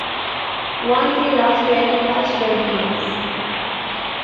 Once we lost twenty-five straight games.